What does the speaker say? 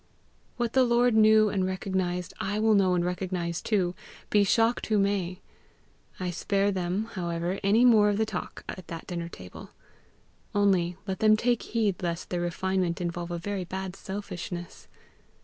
What the Lord knew and recognized, I will know and recognize too, be shocked who may. I spare them, however, any more of the talk at that dinner table. Only let them take heed lest their refinement involve a very bad selfishness.